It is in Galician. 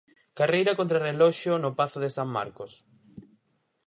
Carreira contra o reloxo no Pazo de San Marcos.